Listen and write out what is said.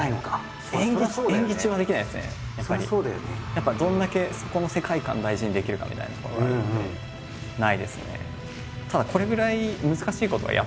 やっぱどれだけそこの世界観大事にできるかみたいなところがあるんでないですね。